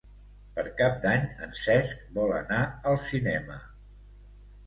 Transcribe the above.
Per Cap d'Any en Cesc vol anar al cinema.